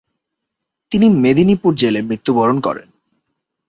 তিনি মেদিনীপুর জেলে মৃত্যুবরণ করেন।